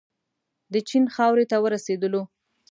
د چین خاورې ته ورسېدلو.